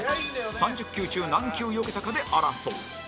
３０球中何球よけたかで争う